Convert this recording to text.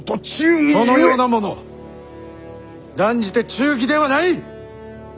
そのようなもの断じて忠義ではない！